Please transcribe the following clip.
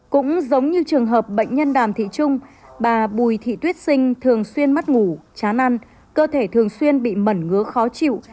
cũng giống như trường hợp bệnh nhân đàm thị trung bà bùi thị tuyết sinh thường xuyên mất ngủ chán ăn cơ thể thường xuyên bị mẩn ngứa khó chịu